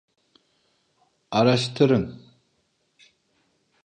Araştırın.